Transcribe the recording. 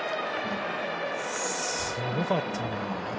すごかったな。